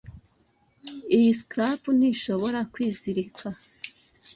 Iyi clasp ntishobora kwizirika.